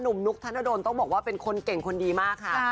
นุกธนดลต้องบอกว่าเป็นคนเก่งคนดีมากค่ะ